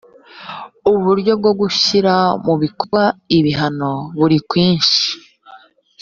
uburyo bwo gushyira mu bikorwa ibihano buri kwinshi